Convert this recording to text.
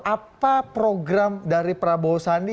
apa program dari prabowo sandi